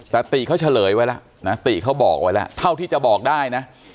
แต่ติเขาเฉลยไว้แล้วนะติเขาบอกไว้แล้วเท่าที่จะบอกได้นะ